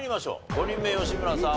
５人目吉村さん